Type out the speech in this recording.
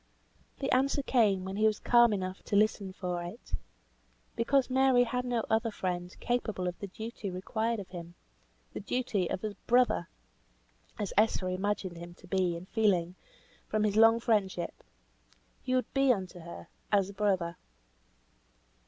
The answer came when he was calm enough to listen for it. Because Mary had no other friend capable of the duty required of him; the duty of a brother, as Esther imagined him to be in feeling, from his long friendship. He would be unto her as a brother.